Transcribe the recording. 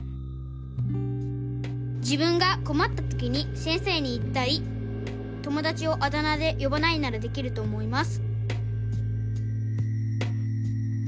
「自分がこまったときに先生に言ったり友だちをあだ名でよばないならできると思います」。